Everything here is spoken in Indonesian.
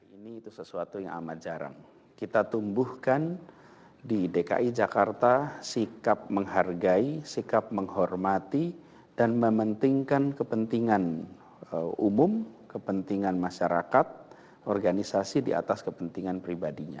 ini itu sesuatu yang amat jarang kita tumbuhkan di dki jakarta sikap menghargai sikap menghormati dan mementingkan kepentingan umum kepentingan masyarakat organisasi di atas kepentingan pribadinya